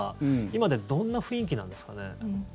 今ってどんな雰囲気なんですかね？